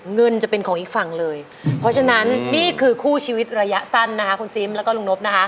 เงินจะเป็นของอีกฝั่งเลยเพราะฉะนั้นนี่คือคู่ชีวิตระยะสั้นนะคะคุณซิมแล้วก็ลุงนบนะคะ